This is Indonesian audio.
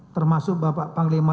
termasuk bapak panglima